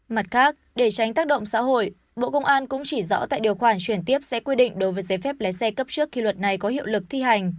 mặt khác để tránh tác động xã hội bộ công an cũng chỉ rõ tại điều khoản chuyển tiếp sẽ quy định đối với giấy phép lái xe cấp trước khi luật này có hiệu lực thi hành